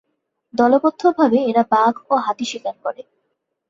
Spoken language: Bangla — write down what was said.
দলবদ্ধভাবে এরা বাঘ ও হাতি শিকার করে।